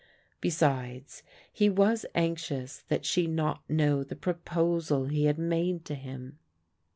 Besides, he was anxious that she should not know the proposal he had made to him.